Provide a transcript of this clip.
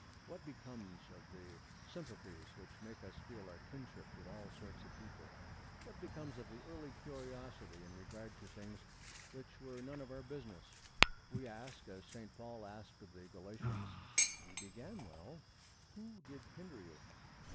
What becomes of the sympathies which make us feel our kinship to all sorts of people? What becomes of the early curiosity in regard to things which were none of our business? We ask as Saint Paul asked of the Galatians, 'Ye began well; who did hinder you?'